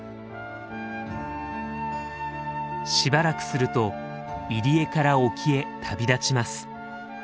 しばらくすると入り江から沖へ旅立ちます。